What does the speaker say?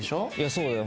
そうだよ